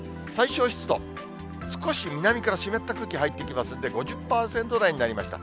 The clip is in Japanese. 少し南から湿った空気入ってきますんで、５０％台になりました。